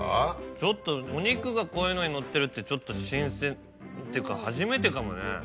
ちょっとお肉がこういうのにのってるってちょっと新鮮っていうか初めてかもね。